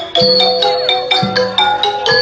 สวัสดีทุกคน